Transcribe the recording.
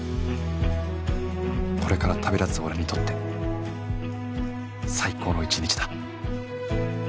これから旅立つ俺にとって最高の一日だ